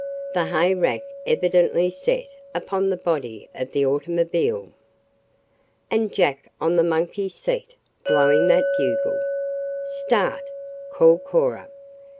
The hay rack evidently set upon the body of are automobile. And Jack on the "monkey seat," blowing that bugle! "Start!" called Cora.